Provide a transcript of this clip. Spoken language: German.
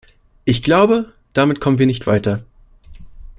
Ich glaube, damit kommen wir nicht weiter.